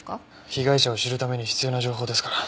被害者を知るために必要な情報ですから。